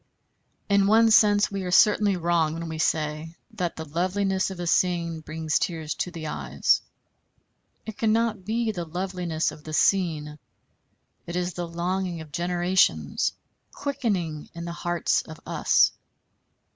In one sense we are certainly wrong when we say that the loveliness of a scene brings tears to the eyes. It cannot be the loveliness of the scene; it is the longing of generations quickening in the hearts of us.